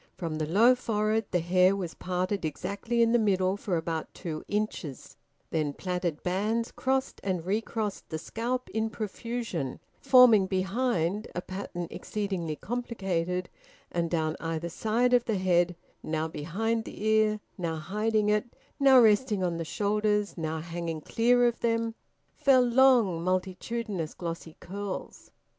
From the low forehead the hair was parted exactly in the middle for about two inches; then plaited bands crossed and recrossed the scalp in profusion, forming behind a pattern exceedingly complicated, and down either side of the head, now behind the ear, now hiding it, now resting on the shoulders, now hanging clear of them, fell long multitudinous glossy curls.